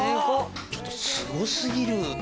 ちょっとすご過ぎる。